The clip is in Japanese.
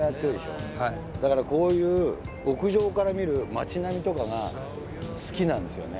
だからこういう屋上から見る町並みとかが好きなんですよね。